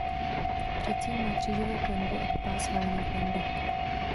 Předsíň má křížovou klenbu a pás valené klenby.